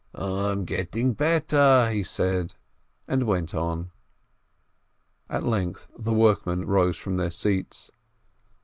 "I am getting better," he said, and went on. At length the workmen rose from their seats.